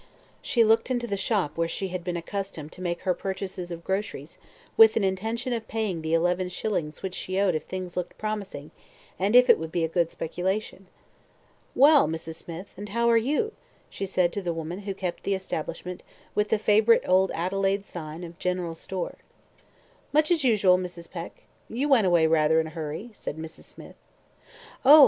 She looked into the shop where she had been accustomed to make her purchases of groceries, with an intention of paying the eleven shillings which she owed if things looked promising, and if it would be a good speculation. "Well Mrs. Smith, and how are you?" said she to the woman who kept the establishment with the favourite old Adelaide sign of "General Store." "Much as usual, Mrs. Peck. You went away rather in a hurry," said Mrs. Smith. "Oh!